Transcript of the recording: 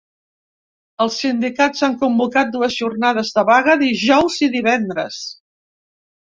Els sindicats han convocat dues jornades de vaga, dijous i divendres.